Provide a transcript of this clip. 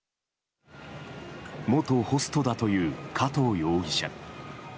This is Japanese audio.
元ホストだという加藤容疑者。